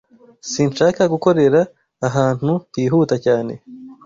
Sinshaka gukorera ahantu hihuta cyane.